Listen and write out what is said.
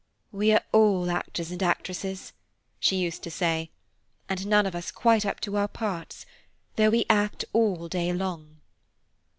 "We are all actors and actresses," she used to say, "and none of us quite up to our parts, though we act all day long."